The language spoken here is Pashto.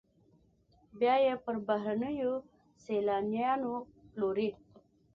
بیا یې پر بهرنیو سیلانیانو پلوري